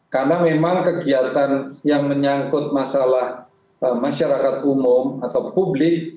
karena memang kegiatan yang menyangkut masalah masyarakat umum atau publik